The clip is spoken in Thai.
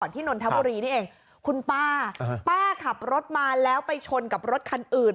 นนทบุรีนี่เองคุณป้าป้าขับรถมาแล้วไปชนกับรถคันอื่น